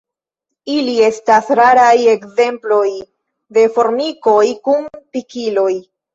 Ili estas raraj ekzemploj de formikoj kun pikiloj.